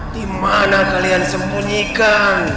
dimana kalian sembunyikan